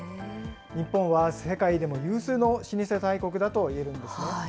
日本は世界でも有数の老舗大国だといえるんですね。